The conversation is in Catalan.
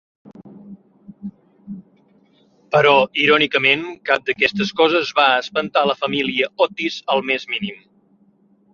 Però irònicament, cap d'aquestes coses va espantar la família Otis el més mínim.